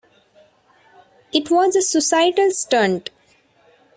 It was a suicidal stunt.